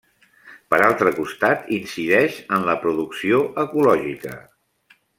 Per altre costat, incideix en la producció ecològica.